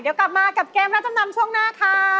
เดี๋ยวกลับมากับเกมรับจำนำช่วงหน้าค่ะ